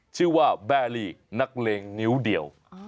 ชื่อว่าแบรีนักเลงนิ้วเดียว